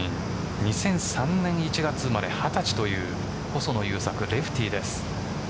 ２００３年１月生まれ２０歳という細野勇策、レフティーです。